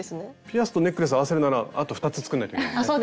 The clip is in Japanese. ピアスとネックレス合わせるならあと２つ作んないといけないですね。